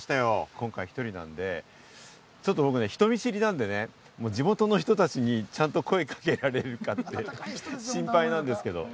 今回１人なので、ちょっと僕、人見知りなんで、地元の人たちにちゃんと声をかけられるかって心配なんですけど。